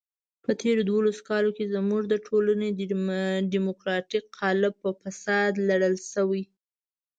په تېرو دولسو کالو کې زموږ د ټولنې دیموکراتیک قالب په فساد لړل شوی.